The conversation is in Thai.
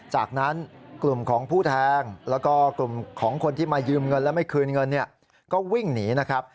จากนั้นกลุ่มของผู้แทงแล้วก็กลุ่มของคนที่มายืมเงินแล้วไม่คืนเงินเนี่ยก็วิ่งหนีนะครับ